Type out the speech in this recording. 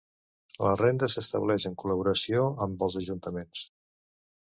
La renda s'estableix en col·laboració amb els ajuntaments.